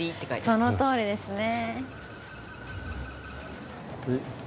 そのとおりですね。